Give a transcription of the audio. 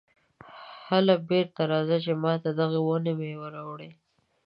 هله بېرته راځه چې ماته د دغې ونې مېوه راوړې.